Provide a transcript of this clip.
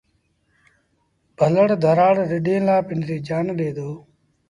ڀلڙ ڌرآڙ رڍينٚ لآ پنڊريٚ جآن ڏي دو۔